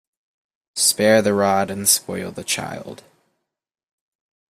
Spare the rod and spoil the child.